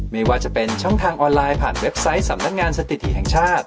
ไม่ว่าจะเป็นช่องทางออนไลน์ผ่านเว็บไซต์สำนักงานสถิติแห่งชาติ